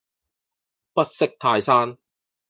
不識泰山